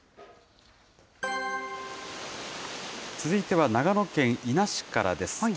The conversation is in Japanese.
続いては長野県伊那市からです。